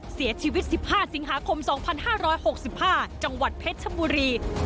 เสียชีวิต๑๕สิงหาคม๒๕๖๕จังหวัดเพชรชบุรี